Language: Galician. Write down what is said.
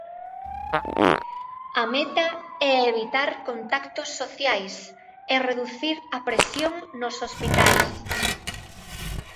A meta é evitar contactos sociais e reducir a presión nos hospitais.